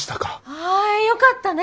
あよかったね